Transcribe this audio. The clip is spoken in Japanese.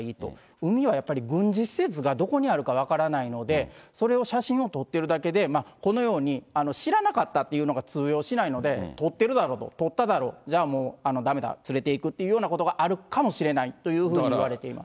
海はやっぱり軍事施設がどこにあるか分からないので、それを写真を撮ってるだけで、このように、知らなかったっていうのが通用しないので、撮ってるだろう、撮っただろう、じゃあもうだめだ、連れていくっていうようなことがあるかもしれないというふうにいわれています。